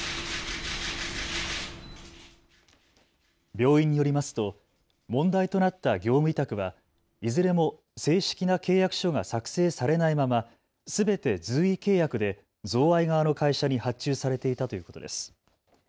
病院によりますと問題となった業務委託はいずれも正式な契約書が作成されないまま、すべて随意契約で贈賄側の会社に発注されていたということです。